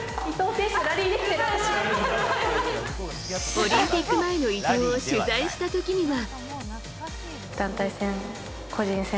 オリンピック前の伊藤を取材した時には。